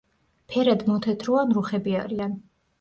ფერად მოთეთრო ან რუხები არიან.